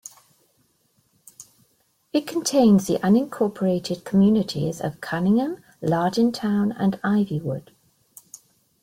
It contains the unincorporated communities of Cunningham, Lardintown, and Ivywood.